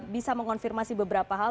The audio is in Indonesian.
bisa mengonfirmasi beberapa hal